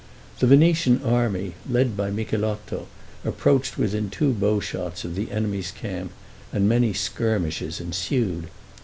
The Venetian army, led by Micheletto, approached within two bowshots of the enemy's camp, and many skirmishes ensued.